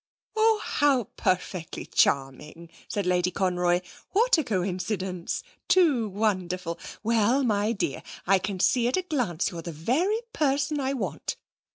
'Oh, how perfectly charming!' said Lady Conroy. 'What a coincidence! Too wonderful! Well, my dear, I can see at a glance that you're the very person I want.